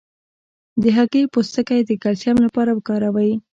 د هګۍ پوستکی د کلسیم لپاره وکاروئ